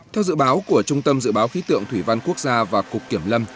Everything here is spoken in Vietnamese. theo dự báo của trung tâm dự báo khí tượng thủy văn quốc gia và cục kiểm lâm